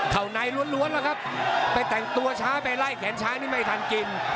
เขาในล้วนแล้วครับไปแต่งตัวช้าไปไล่แขนช้านี่ไม่ทันกิน